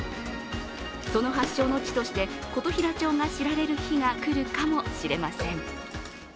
その発祥の地として琴平町が知られる日が来るかもしれません。